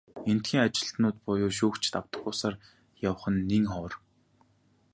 Эндэхийн ажилтнууд буюу шүүгчид автобусаар явах нь нэн ховор.